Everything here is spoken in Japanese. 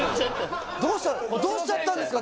どうしちゃったんですか？